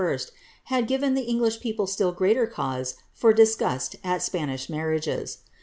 had given the English people still greater cause for disgust at Spanish marriages.